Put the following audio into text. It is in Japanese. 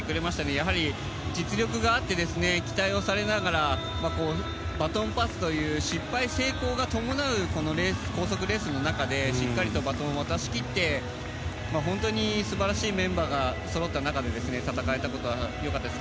やはり実力があって期待をされながらバトンパスという失敗成功が伴う高速レースの中でしっかりとバトンを渡し切って本当に素晴らしいメンバーがそろった中で戦えたことは良かったです。